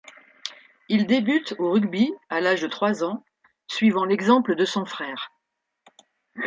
Il débute au rugby à l'âge de trois ans, suivant l'exemple de son frère.